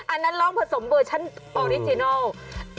อันนั้นร้องผสมเวอร์ชันออริจินัล